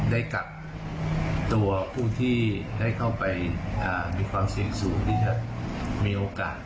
ได้กักตัวผู้ที่ได้เข้าไปมีความเสี่ยงสูงที่จะมีโอกาส